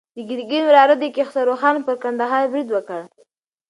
د ګرګین وراره کیخسرو خان پر کندهار برید وکړ.